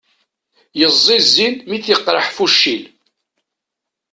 Yeẓẓizin mi t-yeqreḥ fuccil.